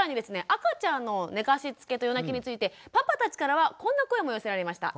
赤ちゃんの寝かしつけと夜泣きについてパパたちからはこんな声も寄せられました。